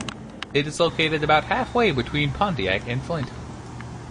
It is located about halfway between Pontiac and Flint.